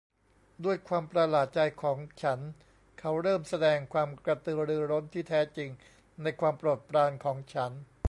ด้วยความประหลาดใจของฉันเขาเริ่มแสดงความกระตือรือร้นที่แท้จริงในความโปรดปรานของฉัน